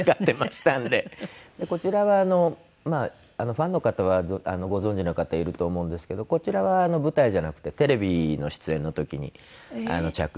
こちらはまあファンの方はご存じの方いると思うんですけどこちらは舞台じゃなくてテレビの出演の時に着用したドレスで。